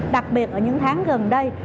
đặc biệt ở những tháng gần đây